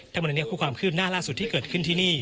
ถ้าเมื่อนี้คุณความคิดหน้าล่าสุดที่เกิดขึ้นที่นี่